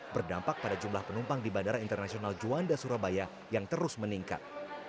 berdampak pada jumlah penumpang di bandara internasional juanda surabaya yang terus meningkat